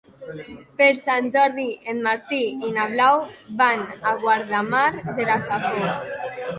Per Sant Jordi en Martí i na Blau van a Guardamar de la Safor.